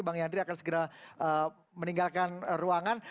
bang yandri akan segera meninggalkan ruangan